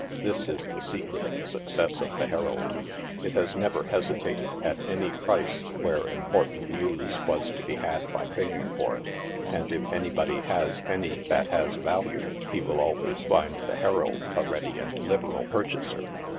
This is the secret of the success of the Herald. It has never hesitated at any price, where important new3 was to be had by paying for it, and if any body has any that has value, he will always find the Herald a ready and liberal purchaser.